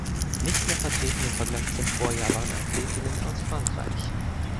Nicht mehr vertreten im Vergleich zum Vorjahr waren Athletinnen aus Frankreich.